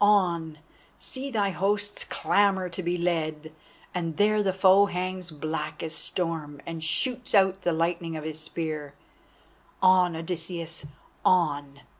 On! see thy hosts clamour to be led, and there the foe hangs black as storm and shoots out the lightning of his spears. On, Odysseus, on!